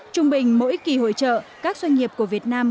trung bình mỗi kỳ hội trợ các doanh nghiệp của việt nam